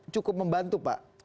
cukup membantu pak